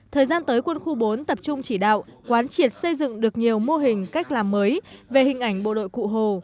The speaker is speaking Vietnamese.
thời gian tới quân khu bốn tập trung chỉ đạo quán triệt xây dựng được nhiều mô hình cách làm mới về hình ảnh bộ đội cụ hồ